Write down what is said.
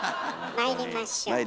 まいりましょう。